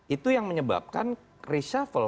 itu yang menyebabkan reshuffle